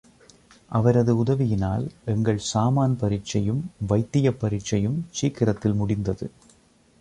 அவரது உதவியினால் எங்கள் சாமான் பரீட்சையும், வைத்தியப் பரீட்சையும் சீக்கிரத்தில் முடிந்தது.